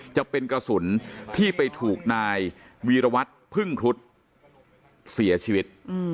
จะเป็นกระสุนที่ไปถูกนายวีรวัตรพึ่งครุฑเสียชีวิต